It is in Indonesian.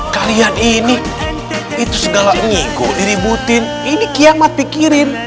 kalian ini itu segala unyigo diributin ini kiamat pikirin